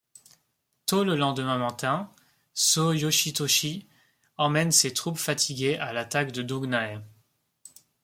Tôt le lendemain matin, Sō Yoshitoshi emmène ses troupes fatiguées à l'attaque de Dongnae.